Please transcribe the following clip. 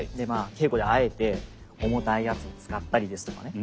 稽古であえて重たいやつを使ったりですとかね。